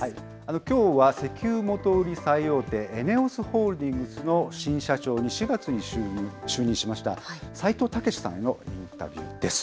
きょうは石油元売り最大手、ＥＮＥＯＳホールディングスの新社長に４月に就任しました、齊藤猛さんへのインタビューです。